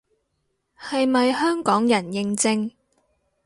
係咪香港人認證